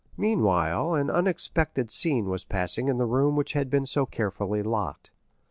Meanwhile an unexpected scene was passing in the room which had been so carefully locked.